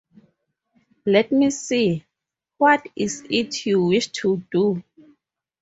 Let me see, what is it you wish to do?